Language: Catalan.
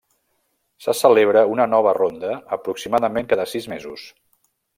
Se celebra una nova ronda aproximadament cada sis mesos.